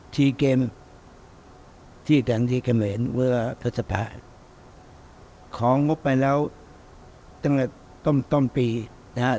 ทีเกมที่กันที่กันเห็นว่าพฤษภะของมุมไปแล้วตั้งแต่ต้นปีนะครับ